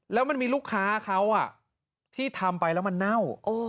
แล้วมันมีลูกค้าเขาที่ทำไปแล้วมันเน่า